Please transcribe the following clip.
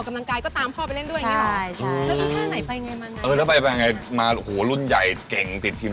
สนุกขนาดอะไรอย่างนี้